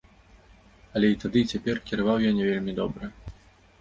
Але і тады, і цяпер кіраваў я не вельмі добра.